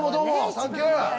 サンキュー。